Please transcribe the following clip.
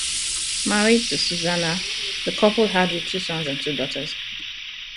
Married to Susanna, the couple had with two sons and two daughters.